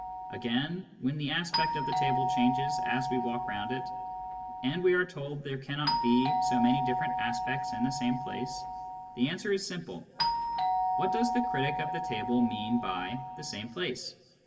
Again, when the aspect of the table changes as we walk round it, and we are told there cannot be so many different aspects in the same place, the answer is simple : what does the critic of the table mean by " the same place